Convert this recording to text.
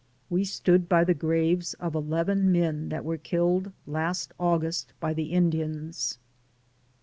We stood by the graves of eleven men that were killed last August by the Indians.